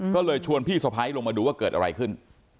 ก็เลยชวนพี่สะพ้ายลงมาดูว่าเกิดอะไรขึ้น